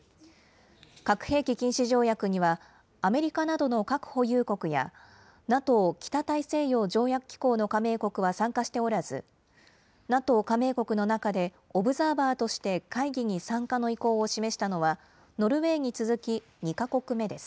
核兵器禁止条約には、アメリカなどの核保有国やＮＡＴＯ・北大西洋条約機構の加盟国は参加しておらず、ＮＡＴＯ加盟国の中でオブザーバーとして会議に参加の意向を示したのは、ノルウェーに続き２か国目です。